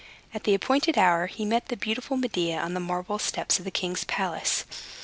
At the appointed hour he met the beautiful Medea on the marble steps of the king's palace.